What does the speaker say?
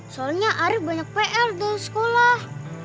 soalnya ari banyak pr dari sekolah